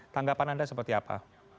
tanggapan anda seperti apa